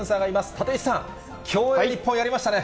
立石さん、競泳日本、やりましたね。